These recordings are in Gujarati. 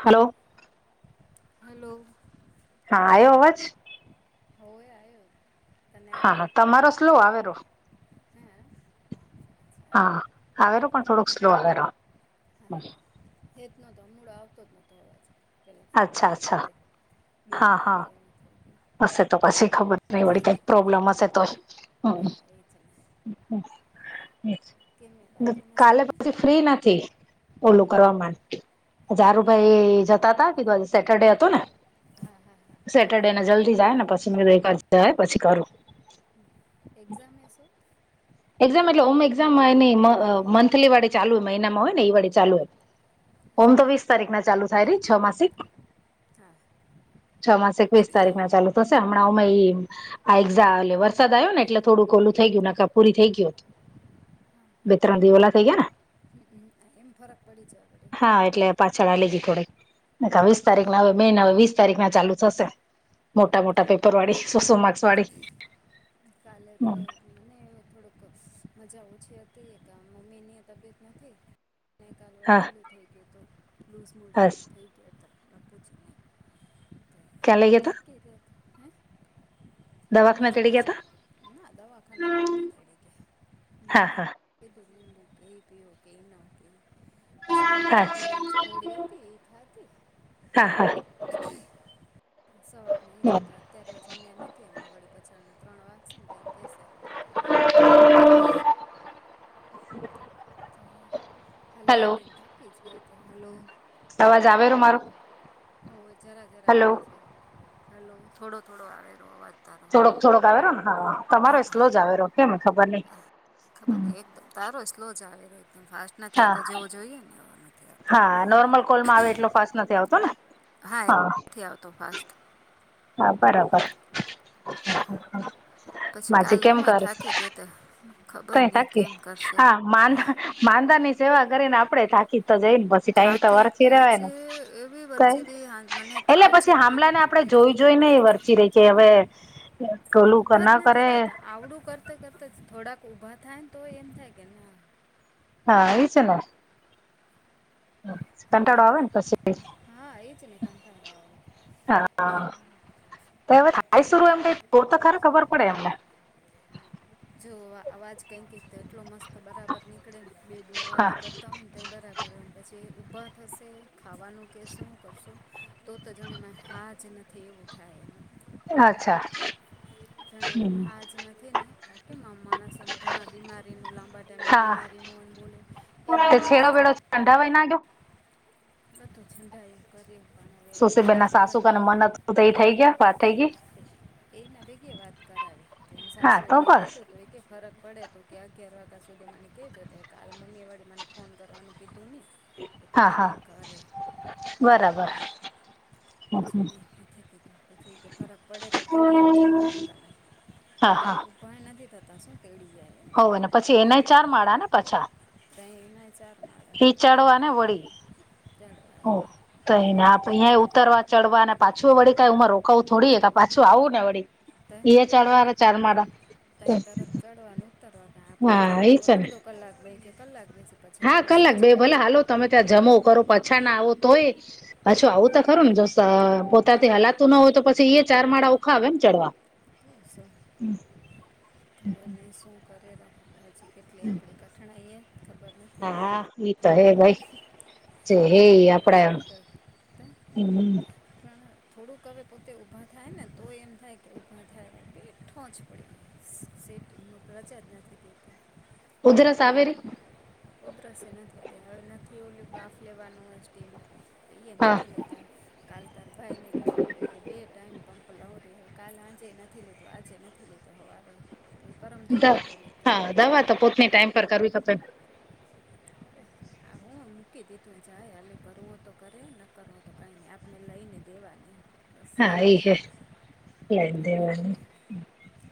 Hello hello. હા આવ્યો અવાજ? હોય આવ, તને હા આવ્યો? હા તમારો સ્લો આવેરો. હા. હા આવેર પણ થોડુંક સ્લો આવેરો હ. એકનો તો મૂડ આવતો જ નહતો. અચ્છા અચ્છા બે હા હા. વખત એમ થઈ ગયું હશે તો પછી ખબર નઈ વળી કઈક પ્રોબ્લેમ હશે તોય. હા એ જ ને. કેમ એ હાા. બાકી કાલે મજામાં પછી ફ્રી નથી. ઓલું કરવા ડજારુ હા ભાઈ જતા તા કીધું આજ સેટરડે હતોું ને. હા હા હા સેટરડેને જલ્દી જાય ને પછી મે રોકા જાય પછી કરું. એઝામ છે. એક્ઝામ એટલે ઓમ એક્ઝામ એની મંથલી વાડે ચાલુ હોય મહિનામાં હોય ને એઈ વડે ચાલુ હોય. હોમ તો વીસ તારીખ ના ચાલુ થાય ર છ માસિક. હા છ માસ એકવીસ તારીખ ના ચાલુ થશે હમણાંઓમાં એ. આ એઝા એટલે વરસાદ આવ્યો ને એટલે થોડું ઓલું થઈ ગયું નખા પૂરી થઈ ગયું. બે-ત્રણ દીવાલા થઈ ગયાને. એમ ફરક પડી જ આપ. હા એટલે પાછળ લ ગઈ થોડીક વીસ તારીખ ના હવે મે ના હવે વીસ તારીખ ના ચાલુ થશે. મોટા મોટા પેપર વાળી સોસો માર્ક્સ વાળી. કાલે તો. હમ મને એ થોડક મજા ઓછી હતી કે મમ્મી ની તબિયત નથી. કાગવડ હા એવલું થઈ ગયું તો લૂઝ મોડું બસ થઈ ગું. કેલગ. ક હ. દવાખાને લુઝ તેડી મજ ગયા તા ના દાવાખાન તડી. હા હા. ઓકે ના ઓ. પછી હા એની ઘરે જ કોડીી હતી એ ખાતી હા હા સવાર ન જ અત્યારે જમ્યા નથી આમાં વળીપછાના ત્રણ વાગ છે તં કેહેશેું હમ અલી અલીંદ કે જ અ હતી હલો અવાજ આવેલો મારો હ જરા જરા હલો આવે છે હલો થોડો થોડો આવેલો અવાજ તારો થોડોક થોડોક આવે ને હા તમારો સ્લો જ આવે રહ કેને ખબર નહી ખબર ને એકમ તારો સ્લો જ આવેલો એકદમ ફાસ્ટ હા નથીતો જેવો જોઈએ ને એવો નથીતો હા નોર્મલ કોલમાં આવે એટલો ફાસ્ટ નથી આવતો ને હા આવતો ફાસ્ટ હા બરાબર પછી માજી કાલે કેમ હુંય કર થાકી ગ ત ખબર નઈ કેમ કરશે ા માંદા ની સેવા કરી ને આપડે થાકી તો જઈ ને પછી ટાઈમ ત થાકી વરસીી રહેય આજે એવી વરચેલી મને એટલે તાવ પછી જેવું થઈ હમલા ગયું ને આપડે પગ જોયું દુખે જોઈને એ વર્ચ રહી કે હવે ઓલું ઊભા જ ના નથી કરે થતા આવડું કરતાં કરતા થોડાક ઊભા થાય ને તો એમ થાય કે ના હા એ છે ન હલો કંટાળો આવે ને પછી હા એ જ ને કંટાળો આવે હા તો હવે થાય બધું શર એમ તોર તો ખરે ખબર પડે એમને જો અવાજ કંઈક તો એટલો મસ્ત બરાબર નીકળે બે હા વાતો કરતા હોય તં બરાબર પછી ઊભા થશે ખાવાનું કે શું કરશું તો તો જાણ માં હા જ નથી એવું થાય અચ્છા. જાણે એ હમ હાજ નથી ને કે આમ માણસ આમ ઘણા બીમારીનું લાંબા તેમમની હા બીમારીનું અન બોલે એ હું બોલશ કંદડા વ એનાગ્યો વધ છંડાયું કરે સુશીબેન ના સાસુકાને મનું તો એ થઈ ગયા વાત થઈ ગઈ છે એના ભેગી વાત કરાવી તેની હા સાસુએ તો કાલ બસ કીધો હતો એ કે ફરક પડે તો કે અગિયાર વાગ્યા સુધી મને કેહેજો ત્યાર કાલ મમ્મી વળી મને ફોન કરવાનું કીધું નહી. તું હા ફોન હા કર એમ બરાબર. [unintelligible] કે ફરક પડે તો તીળી આવજે મારા તને હા હા. પણ નથી થતા શું [unintelligible] હોવને પછી એનઈ ચારમાળા ને પાછા તોં એના ચાર માળ ચડવાને વળી [inaudible] ઓ કય નય આપ અહીંયા ઉતરવા ચડવા ને પાછું વળી કવ ઉુંમાં રોકાવું થોડી પાછું આવું ને વળી અ એ ચાલવા ચાર માળા તરત ચડવાનું ઉતરવા આપડે જ હા એ તો છે ને અડધો કલાક રહી કલાક બેસી પછ તો સમજ પડે ને ત્યા જમું કરો પછા ના આવો તોય પાછું આવું તો ખરું ને જો પોતાથી હલાતું ના હોય તો પછી એ ચાર માળ ઉખાવે મ ચડવા [unintelligible] [unintelligible] તમે શું કરે તો પછી કેટલી આપણે કઠણાઈએ ખબર ન હા હા ઈ તો હે બાઈ જે હે ભોગવવા આપડા જેવું [unintelligible] પણ થોડુંક હવે પોતે ઊભા થાય ને તો એમ થાય કે ઊભા થાય તો ભી ઠોંચ પડી. [unintelligible] ઉધરસ આવે રી [unintelligible] એ હા નથી લેતા. કાલ ત ભાઈ ને કેહેવા મ બે ટાઈમ પંપ લાવતી કાલ સાંજે નથી લેધું આજે નથી લેતું. તેહવારો. દ હા દવા તો પોથની ટાઈમ પર કરવી પ. હ હું મૂકી દીધું જાય હલે કરવો તો કરે ન કરવો તો કંઈ ન આપણે લઈને દેવાની બસ હા એ હે લાય દેવાની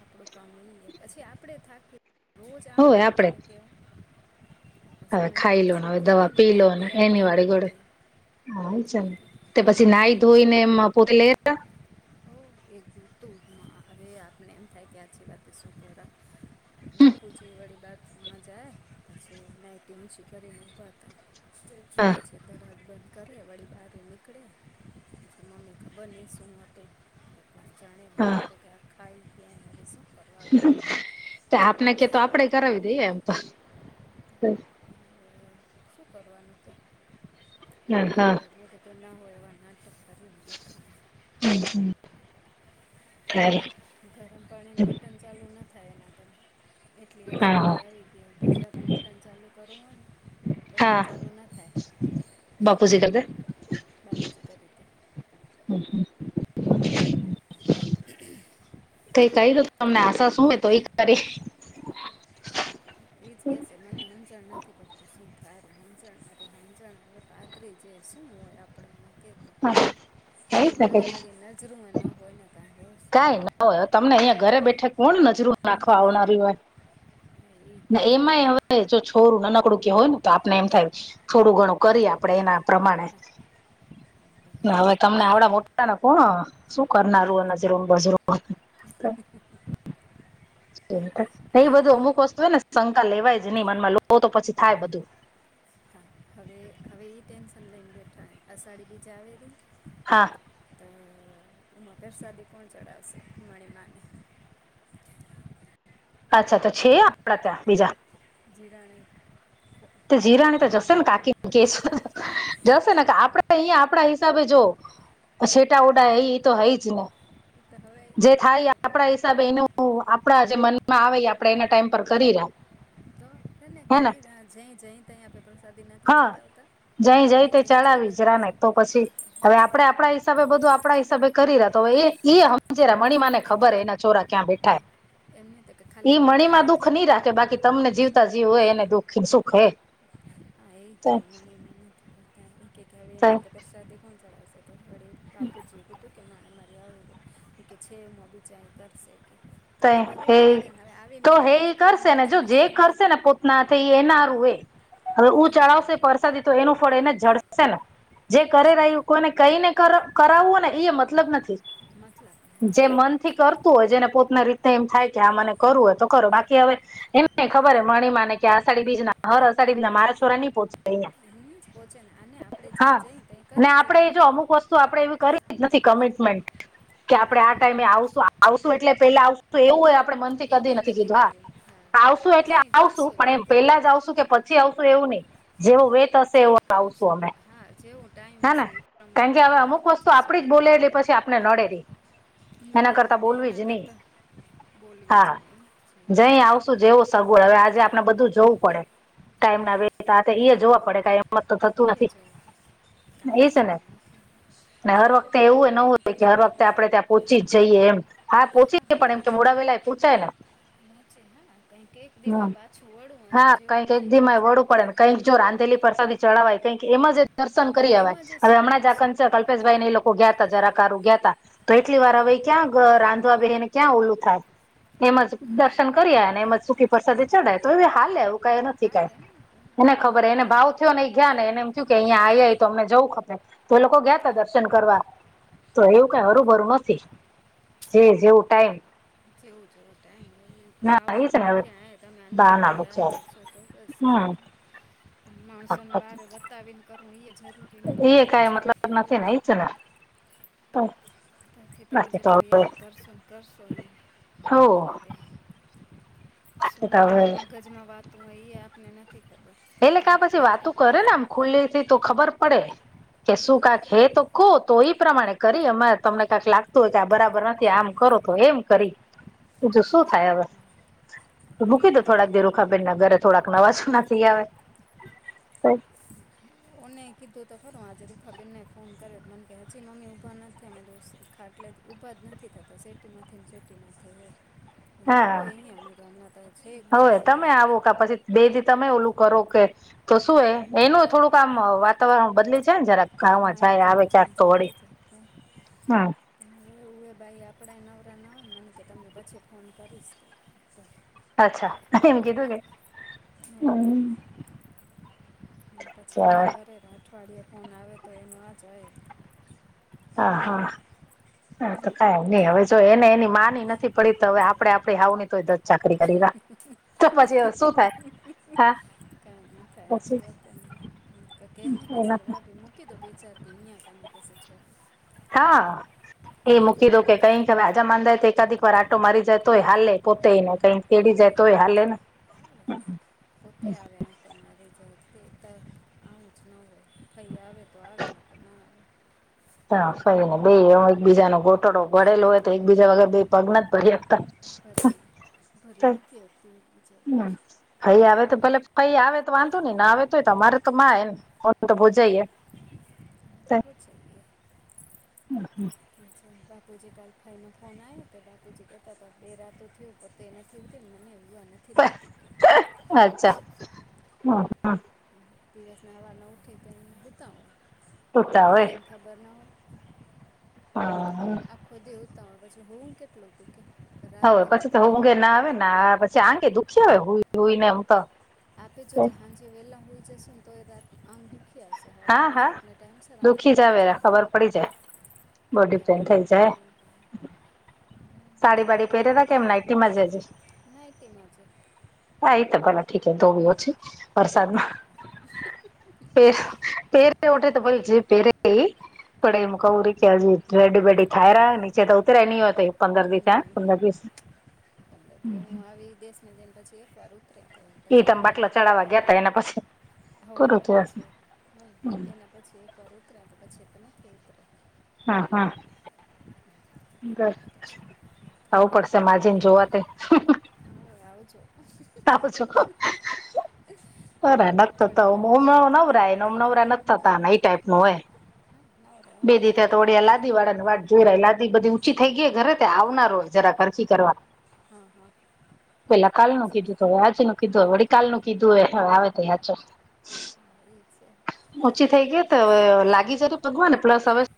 આપડું કામ નઈ પછી આપડે થાકી રોજ આઠ હોય વાગ્યા આપડે ને કેવ હવે ખાઈ લો હવે દવા ને પી એને લો આપણે યાદ એની વાળી કરાવી ગોડે દે હા ચ તે પછી નાઈ ધોઈ ને એ પોતે લે હતા. એ દતુંમાં હવે આપને એમ થાય કે આચી વાત શુંરા બાપુજી વળી બાથરૂમમાં જાય પછી નાઇટી ઊંચી કરીને ઊભા હતા. [unintelligible] કે હા રાત બંધ કર વળી બહાર નીકળે મને ખબર નહી શું હતું. પણ જાણે કે હા તો કે ખાઈ શું કરવાનું આપને કેતો આપડે કરાવી દઈએ એમ તો હું કરવાનું કે [unintelligible] હરે તોના હોય એવા નાટક કરે. હમ્મ હામ ખરે. ગરમ પાણીનું બટન ચાલુ ના થાય એના પણ. એટલે એકદિવસ હા આવી ગયું ગીઝરનું બટન ચાલુ કરવું હોયને હા બટન ચાલુના થાય. [inaudible] બાપુજી કર દે. બાપુજી કરી દે. હમ્મ હામ. [inaudible] કઈ કર્યું તમને આશા શું હોય તો ઈ કરીશ. એ જ કેસે મને સમજણ નથી પડતી શું થાય [unintelligible] અત્રે જેશું હોય આપણા કે તો હા કઈ ઘડી શકે વારે ઘડી ન શરૂમાં ન બોઈ ન [unintelligible] ના ના હોય તમને અહિયાં ઘરે બેઠે કોણ નજરો નાખવા આવનારી હોય. છે એ કે ના એને એમાંયે હવે એ જો છોરું નાનકડું કે હોય ને તો આપને એમ થાય થોડું ઘણું કરીએ આપડે એના પ્રમાણે હા હવે તમને આવડા મોટાને કોણ શું કરનારું [unintelligible] [unintelligible] હોય કઈ [unintelligible] અહીંય બધું અમુક વસ્તુ હોય ને શંકા લેવાય જ નહી મનમાં લો તો પછી થાય બધું. હા હવે હવે એ ટેન્શન લઈને બેઠાને અ સાડી બીજા એ [unintelligible] હા. તો એમાં ફરસાદી કોણ ચડાવશે મણીમાને. અચ્છા તો છે આપડા ત્યાં બીજા. જીરાણી હા. તે જીરાની તો જશે ને કાકી કે જશે ને કે આપણે અહીયા આપણા હિસાબે જો ત્યાં છેટા ઓડા હે એ તો હઈ જ ને તો હવે જે થાય યે ઈ આપણા હિસાબે એનો આપડા જે મનમાં આવે આપડે એના ટાઈમ પર કરી રહ્યા. ને કરી રહ્યા જે જે તે આપડા [unintelligible] હા જઈ જઈ તે જઈ ચલાવી જ ત્યાં રાને તો પ્રસાદી પછી. હવે આપડા આપણા હિસાબે બધું આપણા હિસાબે કરી રહ્યા તો હવે એ હજરા મણિમાને ખબર એના છોરા ક્યાં બેઠા. એમને તો કે ખાલી ઈ મણીમાં દુખ નથી ને નહી રાખે બાકી તમને જીવતા જીવ હોય એને દુઃખ સુખ હોય. હા એ કે મારી મમ્મી કહેતા હતા કે કે એને [unintelligible] સાથે કોણ ચડાવશે. તો થોડી કપુ જોએ કે કે મારે મારી આવ કે કેમ છે મો બી જાણકાર સે. તો એ તો બરોબર જ ને હવે આવી તો નવી નવી નકડી ઝીણી ઝીણી વાત ના થઈ એના રું એ હવે હું એના ચડાવશે હારું પરરસાદી તો એનું ફળ એને જડશે ને. જે તો કરે શું છે રહ્યું કોને કઈને કાર કરાવવું ને એ મતલબ નથી મતલબ જે નથી મન થી કરતું હોય જેને પોતના રીતતે એમ થાય કે આ મને કરવું હોય તો કરો બાકી હવે એમ ને ખબર મણિમાને કે આષાઢી બીજ ના હર અષાઢ બીજ ના મારા છોરા ની પો નિજ પહોચે ને અને આપડે જઈ જઈ ત્યા કરી જ [unintelligible] તો આપડે એવી કરી જ નથી કમિટમેન્ટ કે હા આપડે આ અમે ટાઈમે આમ આવશું કરશું આવશું એટલે પેલા આવશું તો એવું હોય આપડે મન થી કદી એવું એ નથી કીધું હા કર્યું હા આવશું એટલે જ્યાં આવશું જશું પણ ત્યાં એ પેલા જ આવશું કે પા પછી આવશું એવું નહી જેવો વેત હશે એવો આવશું અમે. હા જેવું ટાઈમ હેને હશે એ પ્રમાણે કારણ કે પગે હવે અમુક લાગી વસ્તુ જશું આપડી જ બોલેલી પછી આપને નડેલી. એના નડે કરતા નડે બોલવી એના જ નહી કરતાં બોલવી જ હા. નહીં જઈ આવશું જેવું સગવડ હવે આજે આપણે બધું જોવું પડે. ટાઈમ ના વેતા તા તે એઈ જોવા પડે કઈ એમત તો થતું કહીએ નથી. જો ને કાંઈ ઈ છે થતું ને હર નથી એટલે વખતે તો એવું ન કેવી ને હોય કે હર કેવી વખત ત્યાં આપડે ત્યાં પોચી જઈએ એમ હા પહોચીએ પણ એમ કે મોડાવેલા પૂછાય ને ત્યાં. કઈ કેક હમ દીમાં પાછું વળવું હોય તો હા જેવું કંઈક ટાઈમ [unintelligible] કંઈક જો રાંધેલી પ્રસાદી ચડવાય કઈક એમાં જે દર્શન કરીવાય એમાં જે હવે સુ- હમણાં હા જ આ કં સૂકી હા કલ્પેશભાઈ ને એ લોકો ગયા ત જરા કારુ ગયા ત તો એટલી વાર હા, હવે ક્યાં કા રાંધવા બેહે ને ક્યાં ઓલું થાય. એમ જ તો એમાં દર્શન કરી અને એમજ સુૂકી પ્રસાદે ચડાય તો એ વુ હાલ લે એવું કઈ નથી કઈ. હાલે ને તો હા, એને હા, ખબર એને તો- ભાવ થયો ને ગયા ને એને એમ થયું કે અહીંયા એ તો અમને જવું ખપે તો એ લોકો ગયા ત હા દર્શન કરવા તો હા એવું કઈ પછી હરુંભરું નથી. જે જેવું ટાઈમ જેવું જેવું ટાઈમે ના એ ભાવના છે ને હવે ભૂખ્યા હે આ તમે બહાના અંદરથી યાદ બચારા કરશો તો હમ [unintelligible] માણસોને બારે બતાવીને કરવું એ જરૂરી એ નથીયા કઈ છે કે મતલબ હારે [unintelligible] તથી તમે બાકી તો જેટલું હવે યાદ કરશો ને કરશો હો બાકી [unintelligible] તો હું હવે એના મગજમાં વાતું હોય એ આપને નથી ખબર. એટલે કે કાંઈ પછી તો વાતો કરે ને આમ ખુલ્લી થી તો ખબર પડે કે શું કા હે તો કહો તો એ પ્રમાણે કરી અમાં તમને કાંક લાગતું હોય કે આ બરાબર નથી આમ કરો તો એમ કરી બીજું શું થાય હવે મૂકી દો થોડાક [unintelligible] ઘરે થોડાક નવાજુના થય આવે ઓને કીધું તો ખરુ આજે રેખાબેનને ફોન કર્યો મને કે હજી મમ્મી ઊભા નથ થયા અમે દોસ ખાટલે ઊભા જ નથી થતો સેટી નથી ને સેટી નથી વે આવો હા અહીંયા ને તો હમણાં તો છે હવે બોરાડીએ તમે કે આવો તો કા પછી બે દી તમે ઓલું કરો કે તો શું હે એનું થોડુંક આમ વાતાવરણ બદલી જાય ને જરાક. ગામમાં માઇન્ડ જાય જે આવે ચેન્જ ક્યાંક તો વળી થઈ હમ હું એ ભાઈ આપણાય નવરા ના હોય મને કે તમને પછી ફોન કરીશ. તો અચ્છા એમ કીધું કે હમ [inaudible] પછી ચાલ કંઈ કરે ને અઠવાડિયે ફોન આવે તો એમ આ જ આવે હા હા હા તો કઈ નહી હવે જો એને એની માની નથી પડી તો હવે આપડે આપડી હાહું ની કદર શું થાય હા [inaudible] પછી [unintelligible] એના [unintelligible] હા. એ મૂકી દો કે કંઈક હવે આજા માંદાય તો એકાધિક વાર આટો મારી જાય તોય હાલે પોતે ને કંઈક કેરી પોતે જતો હોય આવે હાલલે ન [inaudible] પોતે આવે આ તો [unintelligible] આવું જ ન હો કઈ આવે તો આવેને તો ન આવે હા ફઈ ને બે હું એકબીજા નો ગોટડો ભડેલો હોય તો એકબીજા વગર બે પગ નથ ભરી આપતા ભરી ભરી નથી અતી હમ ફઈ આવે તો ભલે ફઈ આવે તો વાંધો નહી ને આવે તોય તમારે તોમાં એ ને [unintelligible] જઈએ તો પૂછી લ્યે [inaudible] [unintelligible] બુવા નથી જતી. અચ્છા હ હ [unintelligible] બતાઉ [unintelligible] હોય [unintelligible] હા [unintelligible] હવે પછી તો કેટલે હુંઘે ના આવે ને પછી આંગે દુખી આવે હુંઈ જોઈને એમ તો આપે જોજ હાનજે વેહેલા હોય છે શું તો એ રાત આમ આવશે હા સવારના હા પછી આપણે ટાઈમસર આંખ દુઃખી જ ખુલ્લી આવે એરા જાય ખબર પડી જાય કેમ કે બોડી પેન આપણું થઈ જાય. કામ થઈ સાડી વાડી પેરેલા કે એમ નાઈટી માંજ [unintelligible] ન તે માજું હા એ તો ભલા ઠીકે તો બી ઓછી તો વરસાદમાં [unintelligible] કે રેડડી પણ બેેડી થાાય રહ્યા નીચે તો ઉતરે ની હોયત પંદર દિવસ ના પંદર દસ પંદર દી હું આવી દેશ [unintelligible] પછી એક વર ઉતરે ઈ પછી તમે નથી બાટલા ઉતરે ચડાવવા ગયા તા એના પછી હવે પૂરું એના થયશે પછી હમ, હ એના પછી એ કર ત રહે પછી એ તો નથી ઉતર્યા હા હા બસ આવું પડશે મા જને જોવા તે હવે આવજો ત પ છો [inaudible] અરે નથી થોડીક થતામ વાર આવો તો નવરા એમ નવરા નથી થતા એ ટાઈપ ન હોય નવરા હો બી તો દી છે આવો તો તોડી લાડ લાદી વાળા ની વાત જોઈ ર લાદી બધી ઊચી થઈ ગઈે ઘરે તે આવનાર હોય જરા હરખી કરવા હા હા પેલા કાલ ઠીક નું છે કીધું હવે આજ ન કીધું હવે વડી કાલ નું કીધું હોય હવે આવે તો યાચો હા, ઈ છે ઓછી થઇ ગઈ તો હવે લાગી જતી [unintelligible] પ્લસ હવે